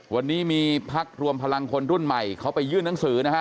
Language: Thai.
วันนี้มีพักรวมพลังคนรุ่นใหม่เขาไปยื่นหนังสือนะฮะ